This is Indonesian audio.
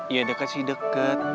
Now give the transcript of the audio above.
iya deket sih deket